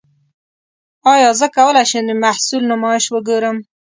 ایا زه کولی شم د محصول نمایش وګورم؟